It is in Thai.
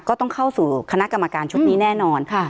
ก็ต้องเข้าสู่คณะกรรมการชุดนี้แน่นอนค่ะ